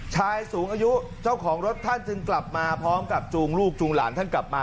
ชายสูงอายุเจ้าของรถท่านจึงกลับมาพร้อมกับจูงลูกจูงหลานท่านกลับมา